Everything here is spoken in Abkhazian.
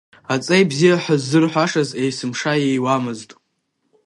Аҵеи бзиа ҳәа ззырҳәашаз есымша ииуамызт.